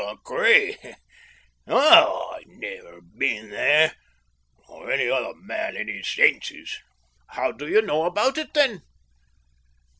No, I've never been there, nor any other man in his senses." "How do you know about it, then?"